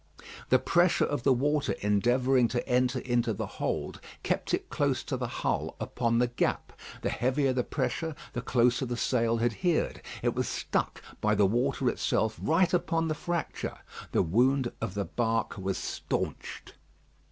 The pressure of the water endeavouring to enter into the hold, kept it close to the hull upon the gap. The heavier the pressure the closer the sail adhered. It was stuck by the water itself right upon the fracture. The wound of the bark was staunched.